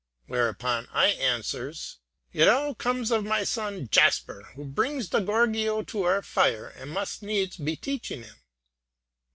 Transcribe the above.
Whereupon I answers, 'It all comes of my son Jasper, who brings the gorgio to our fire, and must needs be teaching him.'